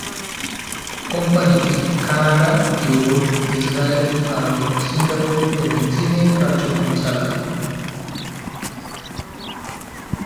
কোম্পানিটি Canada, Europe, Israel, Bharat, Singapore এবং চীনে কার্যক্রম চালায়।